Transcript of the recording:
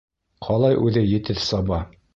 Ҡалай үҙе етеҙ саба.